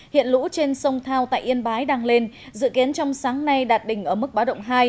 hiện lũ trên sông thao tại yên bái đang lên dự kiến trong sáng nay đạt đỉnh ở mức báo động hai